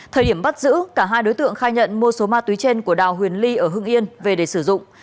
thời điểm bắt giữ cả hai đối tượng khai nhận mua số ma túy trên của đào huyền ly ở hưng yên về để sử dụng